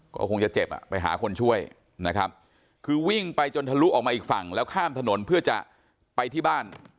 ก็คงจะเจ็บอ่ะไปหาคนช่วยนะครับคือวิ่งไปจนทะลุออกมาอีกฝั่งแล้วข้ามถนนเพื่อจะไปที่บ้าน